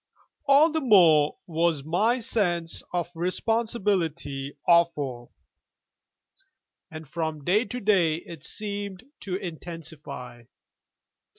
All the more was my sense of responsibility awful: and from day to day it seemed to intensify.